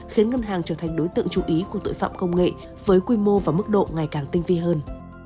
khiến ngân hàng trở thành đối tượng chú ý của tội phạm công nghệ với quy mô và mức độ ngày càng tinh vi hơn